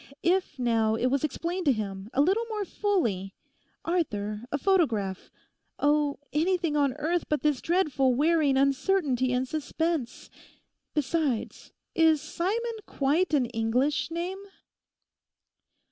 If, now, it was explained to him, a little more fully, Arthur—a photograph. Oh, anything on earth but this dreadful wearing uncertainty and suspense! Besides ...is Simon quite an English name?